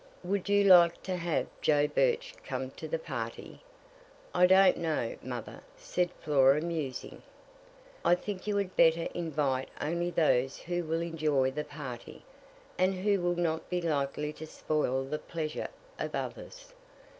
"Would you like to have Joe Birch come to the party?" "I don't know, mother," said Flora, musing. "I think you had better invite only those who will enjoy the party, and who will not be likely to spoil the pleasure of others.